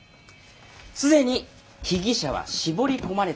既に被疑者は絞り込まれています。